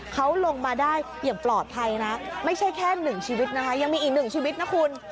เขาลงมาได้อย่างปลอดภัยนะไม่ใช่แค่หนึ่งชีวิตนะคะยังมีอีกหนึ่งชีวิตนะคุณ